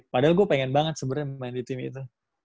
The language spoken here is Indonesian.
padahal gue pengen banget sebenarnya main di tim itu